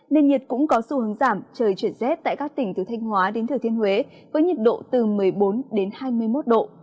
nền nhiệt cũng có xu hướng giảm trời chuyển rét tại các tỉnh từ thanh hóa đến thừa thiên huế với nhiệt độ từ một mươi bốn đến hai mươi một độ